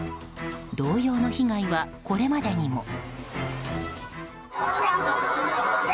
同様の被害はこれまでにも。